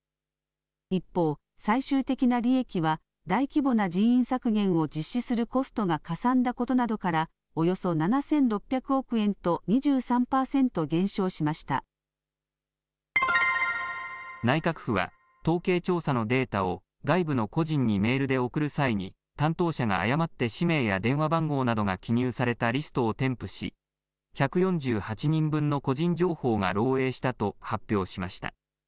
一方、最終的な利益は大規模な人員削減を実施するコストがかさんだことなどからおよそ７６００億円と内閣府は統計調査のデータを外部の個人にメールで送る際に担当者が誤って氏名や電話番号などが記入されたリストを添付し１４８人分の個人情報が漏えいしたと発表しました。